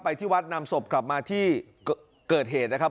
ที่วัดนำศพกลับมาที่เกิดเหตุนะครับ